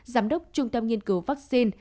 giám đốc trung tâm nghiên cứu vaccine